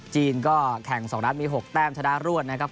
จีนก็แข่ง๒นัดมี๖แต้มชนะรวดนะครับ